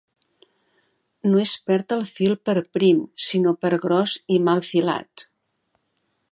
No es perd el fil per prim, sinó per gros i mal filat.